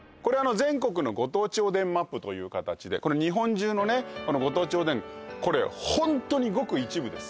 全国のご当地おでんＭＡＰという形で日本中のねご当地おでんこれホントにごく一部です